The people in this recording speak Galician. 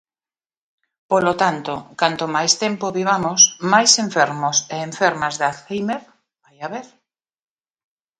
Polo tanto, canto máis tempo vivamos, máis enfermos e enfermas de Alzhéimer vai haber.